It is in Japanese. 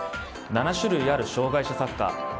７種類ある障害者サッカー。